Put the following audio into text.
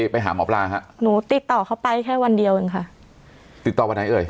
ไปหาหมอปลาฮะหนูติดต่อเขาไปแค่วันเดียวเองค่ะติดต่อวันไหนเอ่ย